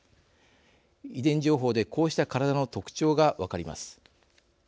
遺伝情報でこうした体の特徴が分かります。